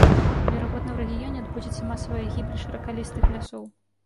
Верагодна, у рэгіёне адбудзецца масавая гібель шыракалістых лясоў.